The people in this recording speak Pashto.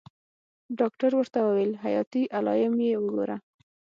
ډاکتر ورته وويل حياتي علايم يې وګوره.